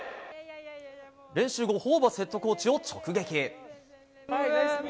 練習後、ホーバスヘッドコーチを直撃。